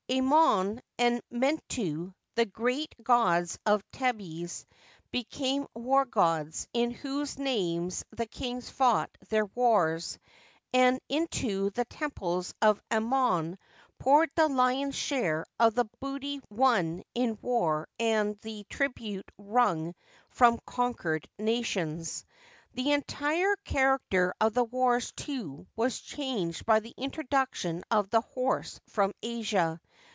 Anton and Mentu, the great gods of Thebes, became war gods, in whose names the kings fought their wars, and into the temples of Amon poured the lion's share of the booty won in war and the tribute wrung from conquered nations. The entire char acter of the wars, too, was changed by the introduction of the horse from Asia.